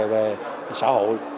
về xã hội